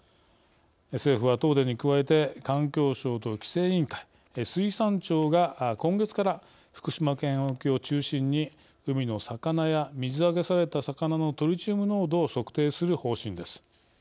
政府は東電に加えて環境省と規制委員会水産庁が今月から福島県沖を中心に海の魚や水揚げされた魚のトリチウム濃度を測定する方針です。